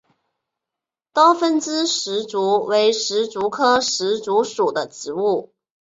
多分枝石竹为石竹科石竹属的植物。